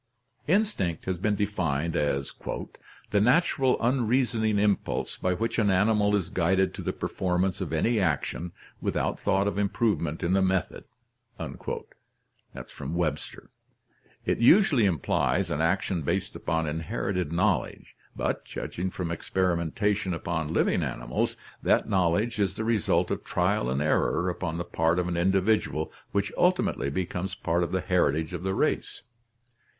— Instinct has been defined as "the natural unreasoning impulse by which an animal is guided to the performance of any action, without thought of improvement in the method" (Webster). It usually implies an action based upon inherited knowledge, but, judging from experimentation upon living animals, that knowledge is the result of trial and error upon the part of an individual which ultimately becomes part of the heritage of the race.